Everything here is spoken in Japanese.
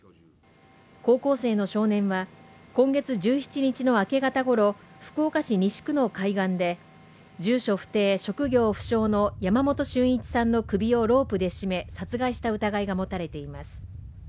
高校生の少年は今月１７日の明け方ごろ福岡市西区の海岸で住所不定・職業不詳の山本駿一さんの首をロープで締め殺害した疑いが持たれています。